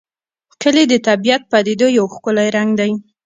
کلي د طبیعي پدیدو یو ښکلی رنګ دی.